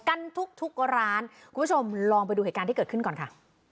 กันทุกทุกร้านคุณผู้ชมลองไปดูเหตุการณ์ที่เกิดขึ้นก่อนค่ะ